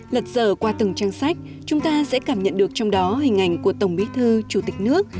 lật dở qua từng trang sách chúng ta sẽ cảm nhận được trong đó hình ảnh của tổng bí thư chủ tịch nước